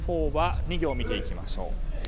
２行見ていきましょう。